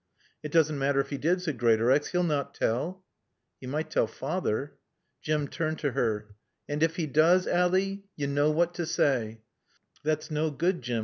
"It doesn't matter if he did," said Greatorex. "He'll not tell." "He might tell Father." Jim turned to her. "And if he doos, Ally, yo' knaw what to saay." "That's no good, Jim.